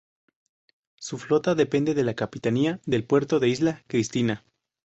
Su flota depende de la capitanía del puerto de Isla Cristina.